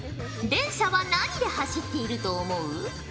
電車は何で走っていると思う？